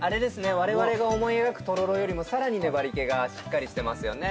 我々が思い描くとろろよりも更に粘りけがしっかりしてますよね。